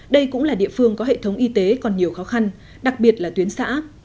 đây cũng là địa phương có hệ thống y tế còn nhiều khó khăn đặc biệt là tuyến xã